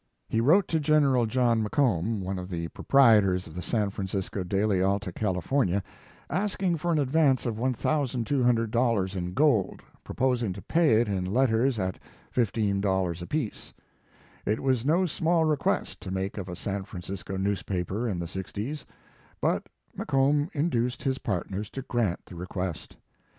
He wrote to General John Mc Cornb, one of the proprietors of the San Francisco Daily Alta California, asking for an advance of $1,200 in gold, propos ing to pay it in letters at $15 apiece. It was no small request to make of a San Francisco newspaper in the 6o s, but McComb induced his partners to grant the request.